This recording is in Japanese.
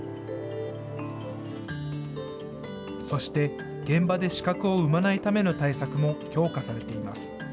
そして、現場で死角を生まないための対策も強化されています。